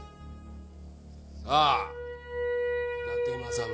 さあ伊達政宗。